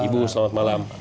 ibu selamat malam